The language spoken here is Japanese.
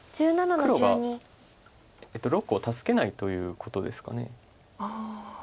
黒が６個を助けないということですかね。